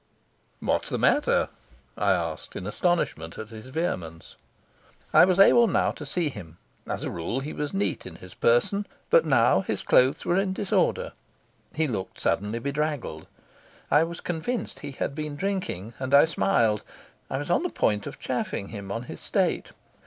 "What's the matter?" I asked in astonishment at his vehemence. I was able now to see him well. As a rule he was neat in his person, but now his clothes were in disorder. He looked suddenly bedraggled. I was convinced he had been drinking, and I smiled. I was on the point of chaffing him on his state.